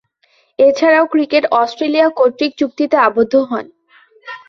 এছাড়াও, cricket Australia কর্তৃক চুক্তিতে আবদ্ধ হন।